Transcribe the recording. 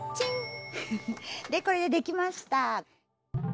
でこれでできました。